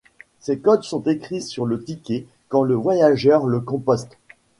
Ces codes sont écrits sur le ticket quand le voyageur le composte.